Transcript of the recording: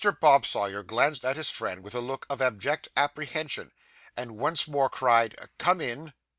Bob Sawyer glanced at his friend with a look of abject apprehension, and once more cried, 'Come in.